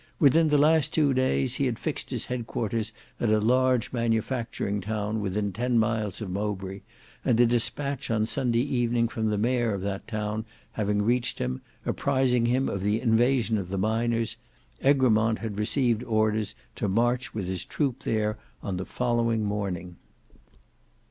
Within the last two days he had fixed his headquarters at a large manufacturing town within ten miles of Mowbray, and a despatch on Sunday evening from the mayor of that town having reached him, apprising him of the invasion of the miners, Egremont had received orders to march with his troop there on the following morning.